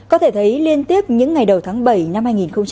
có thể thấy liên tiếp những ngày đầu tháng bảy năm hai nghìn một mươi năm